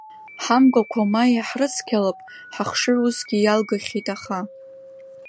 Ҳамгәақәа ма иаҳрыцқьалап, ҳахшыҩ усгьы иалгахьеит, аха.